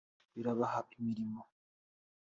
birabaha imirimo